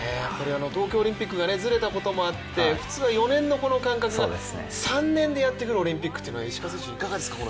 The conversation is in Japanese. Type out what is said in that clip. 東京オリンピックがずれたこともあって普通は４年の間隔が、３年でやってくるオリンピックというのは石川選手、いかがですか。